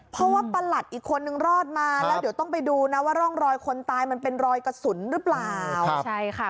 เพราะว่าประหลัดอีกคนนึงรอดมาแล้วเดี๋ยวต้องไปดูนะว่าร่องรอยคนตายมันเป็นรอยกระสุนหรือเปล่าใช่ค่ะ